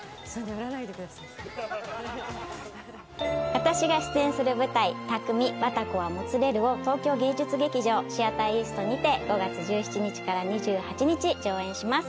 私が出演する舞台た組『綿子はもつれる』を東京芸術劇場シアターイーストにて５月１７日から２８日上演します。